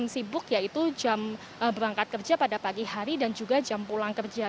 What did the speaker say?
jam sibuk yaitu jam berangkat kerja pada pagi hari dan juga jam pulang kerja